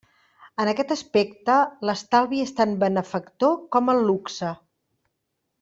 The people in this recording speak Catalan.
En aquest aspecte, l'estalvi és tan benefactor com el luxe.